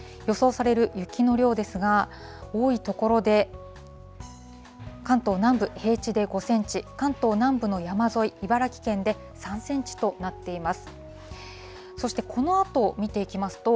予想される雪の量ですが、多い所で関東南部、平地で５センチ、関東南部の山沿い、茨城県で３センチとなっています。